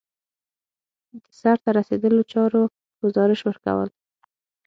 د سرته رسیدلو چارو ګزارش ورکول.